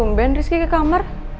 tumben rizky ke kamar